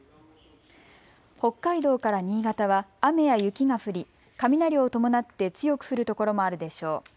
北海道から新潟は雨や雪が降り雷を伴って強く降る所もあるでしょう。